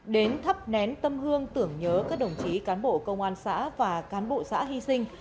đến thắp nén tâm hương tưởng nhớ các đồng chí cán bộ công an xã và cán bộ xã hy sinh